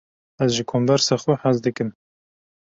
Ez ji kombersa xwe hez dikim.